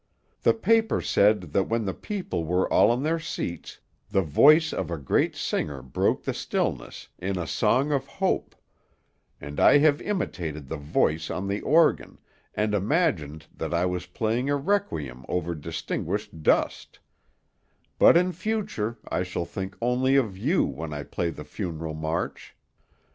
The paper said that when the people were all in their seats, the voice of a great singer broke the stillness, in a song of hope, and I have imitated the voice on the organ, and imagined that I was playing a requiem over distinguished dust; but in future I shall think only of you when I play the funeral march.